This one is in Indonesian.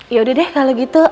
ya udah deh kalau gitu